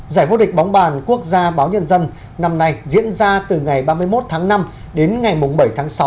giải vô địch bóng bàn quốc gia báo nhân dân năm nay diễn ra từ ngày ba mươi một tháng năm đến ngày bảy tháng sáu